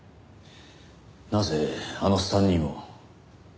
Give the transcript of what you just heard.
なぜあの３人を？